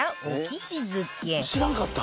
「知らんかった！」